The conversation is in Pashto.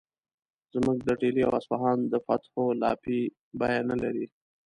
زموږ د ډیلي او اصفهان د فتحو لاپې بیه نه لري.